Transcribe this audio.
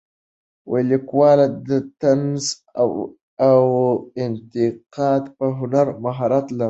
لیکواله د طنز او انتقاد په هنر مهارت لرلو.